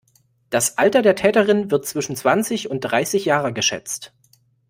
Das Alter der Täterin wird zwischen zwanzig und dreißig Jahre geschätzt.